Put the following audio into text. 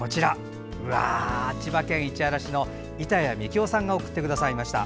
千葉県市原市の板谷三喜男さんが送ってくださいました。